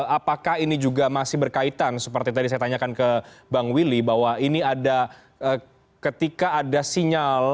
apakah ini juga masih berkaitan seperti tadi saya tanyakan ke bang willy bahwa ini ada ketika ada sinyal